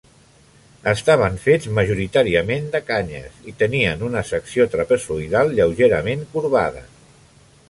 Estaven fets majoritàriament de canyes i tenien una secció trapezoidal lleugerament corbada.